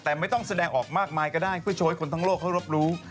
แต่ไม่ต้องแสดงออกมากมายก็ได้เพื่อโชว์ให้คนทั้งโลกเขารบรู้